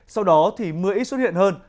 sau đó thì mưa ít xuất hiện hơn